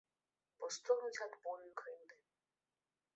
Бо стогнуць ад болю і крыўды.